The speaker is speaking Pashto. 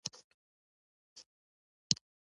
پوهنتون د علمي ارزښتونو د پراختیا مرکز دی.